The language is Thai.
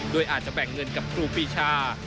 โดยอาจจะแบ่งเงินกับครูปีชา